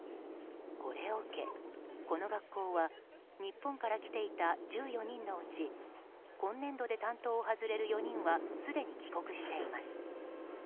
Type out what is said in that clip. これを受け、この学校は日本から来ていた１４人のうち今年度で担当を外れる４人はすでに帰国しています。